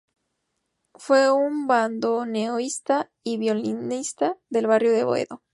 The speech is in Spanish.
Fue un bandoneonista y violinista del barrio de Boedo.